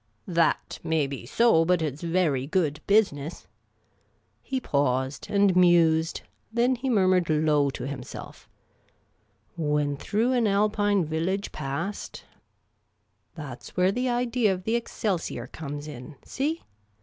" That may be so ; but it 's very good business." He paused and mused, then he nuirnuired low to himself, "' When through an Alpine village passed.' Tljat 's where the idea of the Excelsior Qoxwif?, in ; see